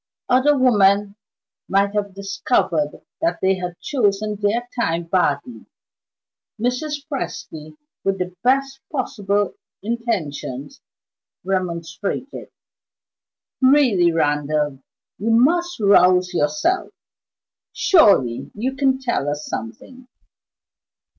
Other women might have discovered that they had chosen their time badly. Mrs. Presty, with the best possible intentions, remonstrated. "Really, Randal, you must rouse yourself. Surely you can tell us something.